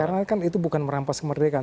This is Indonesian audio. karena kan itu bukan merampas kemerdekaan